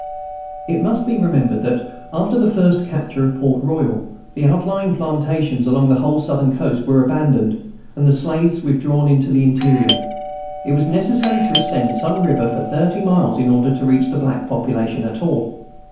It must be remembered that, after the first capture of Port Royal, the outlying plantations along the whole Southern coast were abandoned, and the slaves withdrawn into the interior. It was necessary to ascend some river for thirty miles in order to reach the black population at all.